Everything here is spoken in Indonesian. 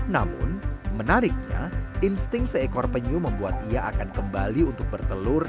namun menariknya insting seekor penyu membuat ia akan kembali untuk bertelur